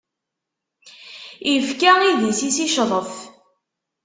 Ifka idis-is i ccḍef.